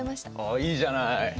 あっいいじゃない。